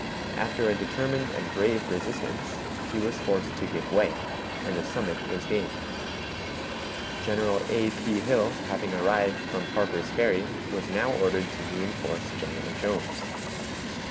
After a determined and brave resistance, he was forced to give way, and the summit was gained. General A. P. Hill, having arrived from Harper's Ferry, was now ordered to reënforce General Jones.